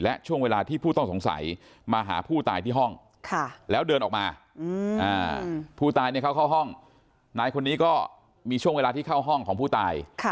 และช่วงเวลาที่ผู้ต้องสงสัยมาหาผู้ตายที่ห้องแล้วเดินออกมาผู้ตายเข้าห้องนายคนนี้ก็มีช่วงเวลาที่เข้าห้องของผู้ตาย